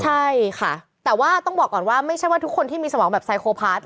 ใช่ค่ะแต่ว่าต้องบอกก่อนว่าไม่ใช่ว่าทุกคนที่มีสมองแบบไซโคพาร์ท